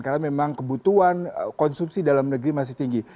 karena memang kebutuhan konsumsi dalam negeri masih tinggi